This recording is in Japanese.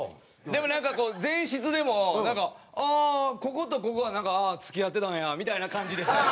でもなんかこう前室でもああこことここはなんか付き合ってたんやみたいな感じでしたね。